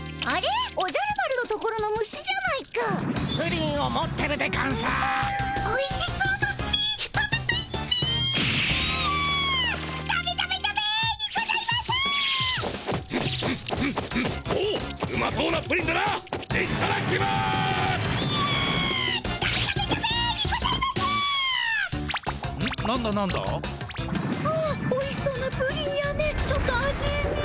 あおいしそうなプリンやねちょっと味見。